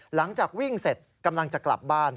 หลังจากวิ่งเสร็จกำลังจะกลับบ้าน